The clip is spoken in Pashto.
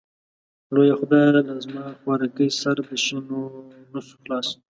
لويه خدايه لازما خوارکۍ سر د شينونسو خلاص.